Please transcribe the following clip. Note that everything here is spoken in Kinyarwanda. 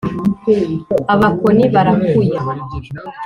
abakoni barakuya